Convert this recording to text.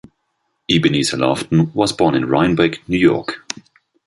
Ebenezer Laughton was born in Rhinebeck, New York.